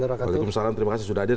waalaikumsalam terima kasih sudah hadir